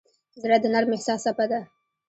زړه د نرم احساس څپه ده.